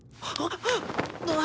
あっ。